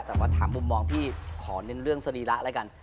แต่ว่าถามมุมมองพี่ขอเน้นเรื่องสรีระแล้วกัน